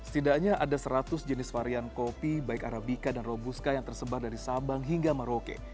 setidaknya ada seratus jenis varian kopi baik arabica dan robusca yang tersebar dari sabang hingga maroke